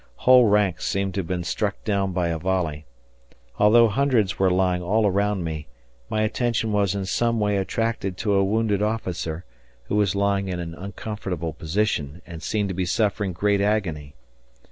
Whole ranks seemed to have been struck down by a volley. Although hundreds were lying all around me, my attention was in some way attracted to a wounded officer who was lying in an uncomfortable position and seemed to be suffering great agony.